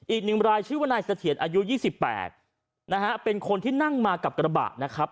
อีกหนึ่งรายชื่อว่านายเสถียรอายุ๒๘นะฮะเป็นคนที่นั่งมากับกระบะนะครับ